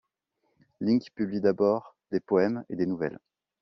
Linck publie d'abord des poèmes et des nouvelles.